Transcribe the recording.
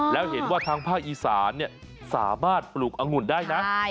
แล้วเห็นว่าทางภาคอีสานสามารถปลูกอังุ่นได้นะ